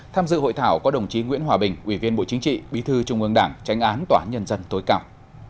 tham dự hội thảo có đồng chí nguyễn hòa bình ủy viên bộ chính trị bí thư trung ương đảng tranh án tòa án nhân dân tối cao